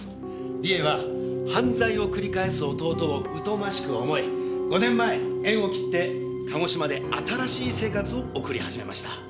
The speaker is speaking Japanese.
理恵は犯罪を繰り返す弟を疎ましく思い５年前縁を切って鹿児島で新しい生活を送り始めました。